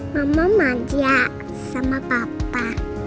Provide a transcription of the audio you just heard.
mama manja sama papa